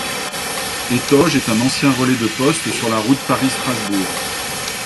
Étoges est un ancien relais de poste sur la route Paris-Strasbourg.